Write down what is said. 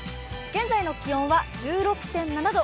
現在の気温は１６．７度。